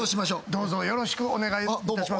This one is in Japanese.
どうぞよろしくお願い致します。